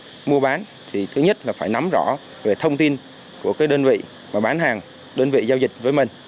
khi mua bán thì thứ nhất là phải nắm rõ về thông tin của cái đơn vị mà bán hàng đơn vị giao dịch với mình